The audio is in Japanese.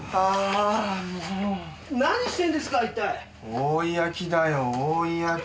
覆い焼きだよ覆い焼き。